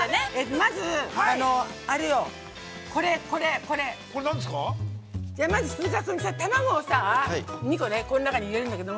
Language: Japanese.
まず卵をさ、２個、この中に入れるんだけど。